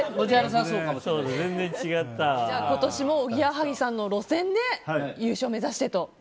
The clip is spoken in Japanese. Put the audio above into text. じゃあ今年もおぎやはぎさんの路線で優勝を目指してと？